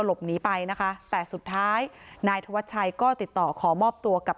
หลบหนีไปนะคะแต่สุดท้ายนายธวัชชัยก็ติดต่อขอมอบตัวกับ